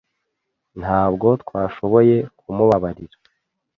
Ntabwo twashoboye kumubabarira.